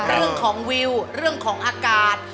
เรื่องของวิวเรื่องของอากาศ